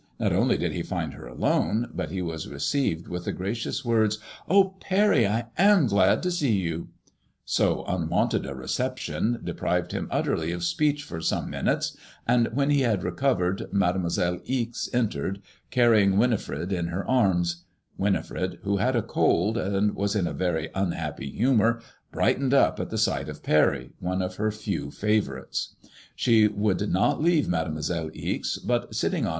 Not only did he find her alone, but he was received with the gracious words :*^ Oh, Parry, I am glad to see you/' So unwonted a reception de prived him utterly of speech for some minutes, and when he had recovered. Mademoiselle Ixe en tered, canying Winifred in her arms. Winifi*ed, who had a cold, and was in a very unhappy humour, brightened up at the sight of Parry, one of her few favourites. She would not leave Mademoiselle Ixe, but sitting on f lOO MADEMOISELLE IXE.